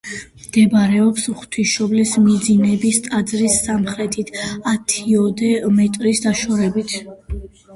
მდებარეობს ღვთისმშობლის მიძინების ტაძრის სამხრეთით, ათიოდე მეტრის დაშორებით.